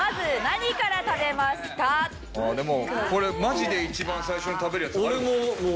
でもこれマジで一番最初に食べるやつあるわ。